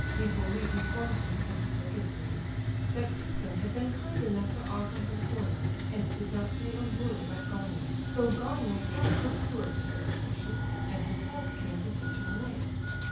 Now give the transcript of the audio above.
Hippolyte informed him, as he took his leave, that Ptitsin "had been kind enough to offer him a corner," and did not say a word about Gania, though Gania had procured his invitation, and himself came to fetch him away.